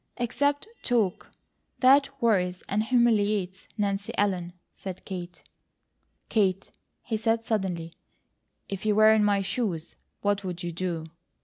"Except TALK, that worries and humiliates Nancy Ellen," said Kate. "Kate," he said suddenly, "if you were in my shoes, what would you do?"